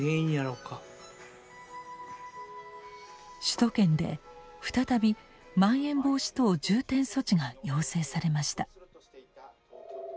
首都圏で再びまん延防止等重点措置が要請されました。